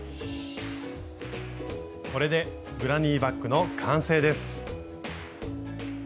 これでグラニーバッグの完成です。